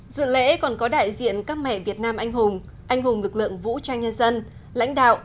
dự lễ còn có đại diện các mẹ việt nam anh hùng anh hùng lực lượng vũ trang nhân dân lãnh đạo